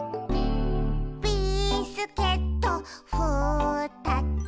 「ビスケットふたつ」